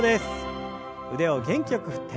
腕を元気よく振って。